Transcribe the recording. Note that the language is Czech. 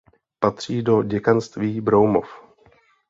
Patří do děkanství Broumov.